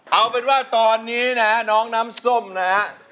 เอาเป็นว่าตอนนี้นะฮะน้องน้ำส้มนะฮะ